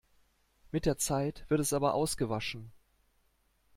Mit der Zeit wird es aber ausgewaschen.